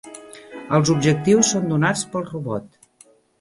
Els objectius són donats pel robot.